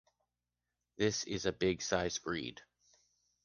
This is a big size breed.